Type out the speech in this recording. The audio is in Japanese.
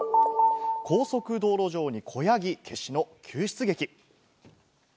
高速道路上に子ヤギ、決死の救出劇。